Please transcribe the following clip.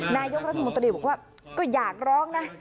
นายกรัฐมนตรีบอกว่าก็อยากร้องนะ